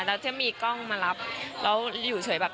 แล้วถ้ามีกล้องมารับแล้วอยู่เฉยแบบ